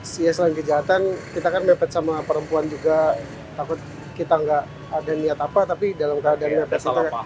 iya selain kejahatan kita kan mepet sama perempuan juga takut kita nggak ada niat apa tapi dalam keadaan mepet kita